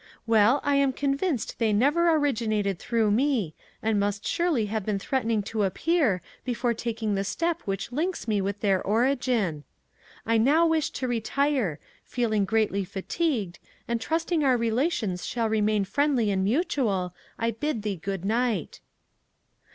Well, I am convinced they never originated through me, and must surely have been threatening to appear before taking the step which links me with their origin. "I now wish to retire, feeling greatly fatigued, and trusting our relations shall remain friendly and mutual, I bid thee good night."